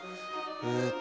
えっと